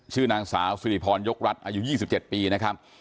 ชื่อนางสาวสิริพรยกรัฐอายุ๒๗ปีนะครับ